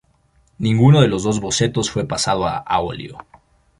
Ninguno de los dos bocetos fue pasado a óleo.